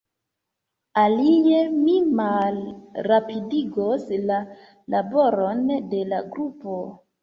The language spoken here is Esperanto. Alie, mi malrapidigos la laboron de la grupo.